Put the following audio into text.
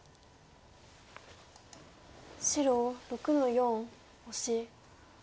白６の四オシ。